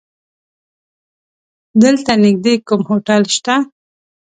دلته نيږدې کوم هوټل شته؟